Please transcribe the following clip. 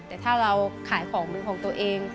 แต่ถ้าเราขายของมือของตัวเอง